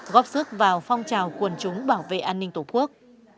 góp sức vào phong trào quần chúng bảo vệ an ninh tổ quốc